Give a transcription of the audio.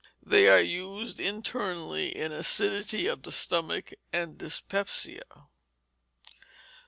They are used internally in acidity of the stomach and dyspepsia.